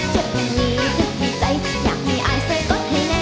เจ็บตรงนี้เจ็บที่ใจอยากให้อายใส่ก็ให้แน่